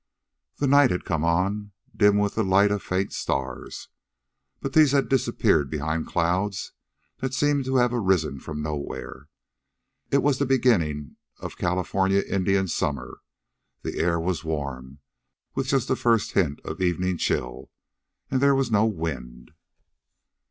The night had come on, dim with the light of faint stars. But these had disappeared behind clouds that seemed to have arisen from nowhere. It was the beginning of California Indian summer. The air was warm, with just the first hint of evening chill, and there was no wind.